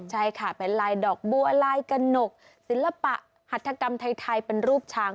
ใช่ค่ะเป็นลายดอกบัวลายกระหนกศิลปะหัตถกรรมไทยเป็นรูปช้าง